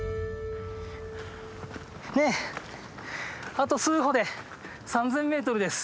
あと数歩で３，０００ｍです。